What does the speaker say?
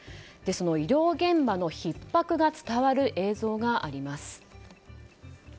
その医療現場のひっ迫が伝わる映像があります。